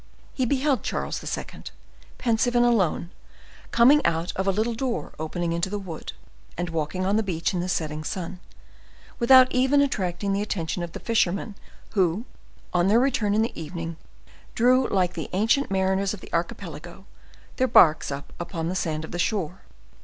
He beheld Charles II., pensive and alone, coming out of a little door opening into the wood, and walking on the beach in the setting sun, without even attracting the attention of the fishermen, who, on their return in the evening, drew, like the ancient mariners of the Archipelago, their barks up upon the sand of the shore.